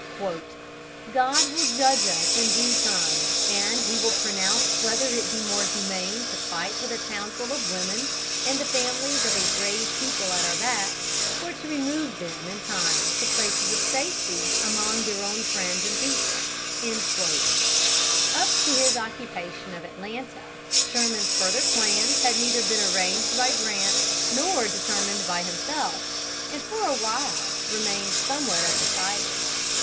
"God will judge us in due time, and he will pronounce whether it be more humane to fight with a town full of women, and the families of a brave people at our back, or to remove them in time to places of safety among their own friends and people." Up to his occupation of Atlanta, Sherman's further plans had neither been arranged by Grant nor determined by himself, and for a while remained somewhat undecided.